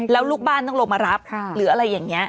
แล้วลูกบ้านต้องลงมารับหรืออะไรอย่างนี้